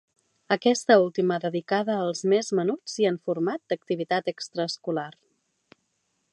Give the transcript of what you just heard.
Aquesta última dedicada als més menuts i en format d'activitat extraescolar.